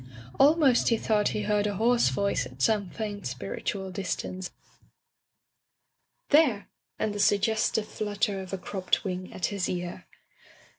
Almost he thought he heard a hoarse voice at some faint, spiritual distance, urging: "There!" and the sugges tive flutter of a cropped wing at his ear.